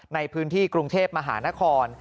ในพื้นที่กรุงเทพมหานคร